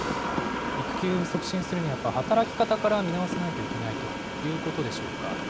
育休促進するにはやっぱり、働き方から見直さないといけないということでしょうか。